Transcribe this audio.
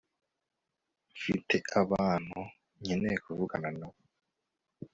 Mfite abantu nkeneye kuvugana nabo